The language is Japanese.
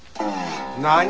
何！？